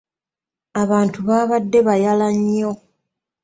Abantu baabadde bayala nnyo.